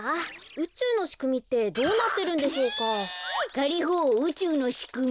ガリホうちゅうのしくみ。